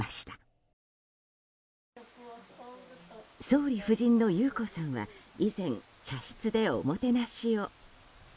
総理夫人の裕子さんは以前、茶室でおもてなしを。